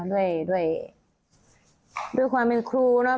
ด้วยความเป็นครูเนอะ